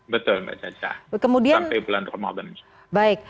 betul mbak caca sampai bulan ramadan